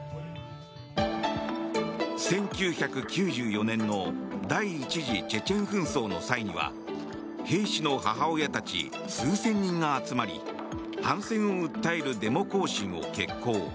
１９９４年の第１次チェチェン紛争の際には兵士の母親たち数千人が集まり反戦を訴えるデモ行進を決行。